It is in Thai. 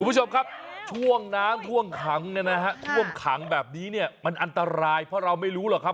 คุณผู้ชมครับช่วงน้ำท่วมขังเนี่ยนะฮะท่วมขังแบบนี้เนี่ยมันอันตรายเพราะเราไม่รู้หรอกครับ